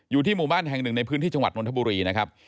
อยู่ที่หมู่บ้านแห่งหนึ่งในพื้นที่จังหวัดนทบุรีนะครับ